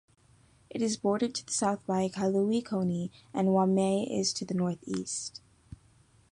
It is bordered to the south by Kailua-Kona, and Waimea is to the northeast.